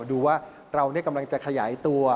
ดูว่าเรากำลังจะขยายตัว